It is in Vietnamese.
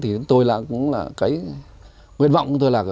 thì tôi cũng là cái nguyên vọng tôi là